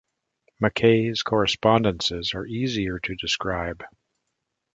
McKay's correspondences are easier to describe.